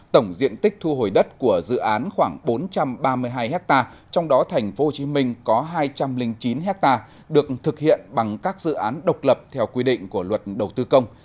tổng diện tích thu hồi đất của dự án khoảng bốn trăm ba mươi hai ha trong đó tp hcm có hai trăm linh chín hectare được thực hiện bằng các dự án độc lập theo quy định của luật đầu tư công